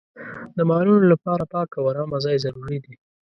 د مالونو لپاره پاک او ارامه ځای ضروري دی.